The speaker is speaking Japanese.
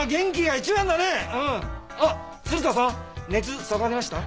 あっ鶴田さん熱下がりました？